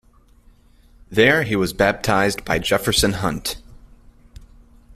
There he was baptized by Jefferson Hunt.